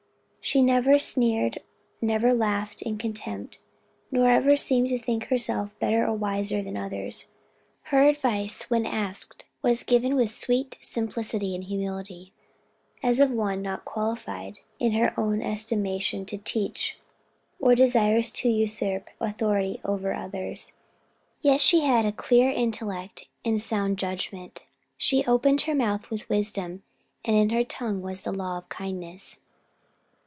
She never sneered, never laughed in contempt, nor ever seemed to think herself better or wiser, than others. Her advice, when asked, was given with sweet simplicity and humility, as of one not qualified, in her own estimation, to teach, or desirous to usurp authority over others: yet she had a clear intellect and sound judgment, she opened her mouth with wisdom and in her tongue was the law of kindness.